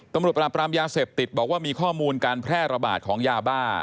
ปราบปรามยาเสพติดบอกว่ามีข้อมูลการแพร่ระบาดของยาบ้า